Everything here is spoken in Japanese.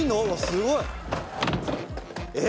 すごい！え！